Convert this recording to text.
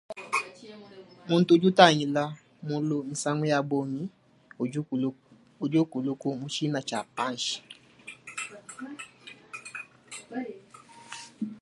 Muntu udi utangila mulu misangu ya bungi udi ukuluku mu tshina tshia panshi.